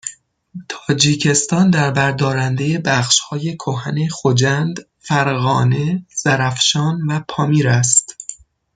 تاجیکستان دربردارنده بخشهای کهن خجند فرغانه زرافشان و پامیر است